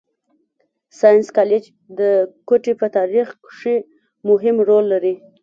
ساینس کالج د کوټي په تارېخ کښي مهم رول لري.